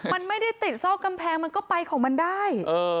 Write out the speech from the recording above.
มันไม่ได้ติดซอกกำแพงมันก็ไปของมันได้